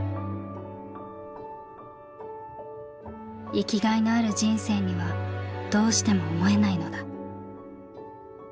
「生きがいのある人生にはどうしても思えないのだ」。